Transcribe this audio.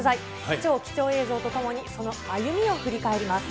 超貴重映像とともに、その歩みを振り返ります。